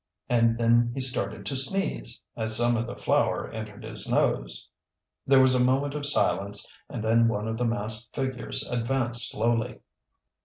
And then he started to sneeze, as some of the flour entered his nose. There was a moment of silence and then one of the masked figures advanced slowly.